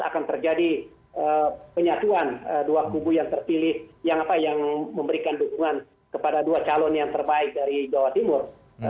akan terjadi penyatuan dua kubu yang terpilih yang memberikan dukungan kepada dua calon yang terbaik dari jawa timur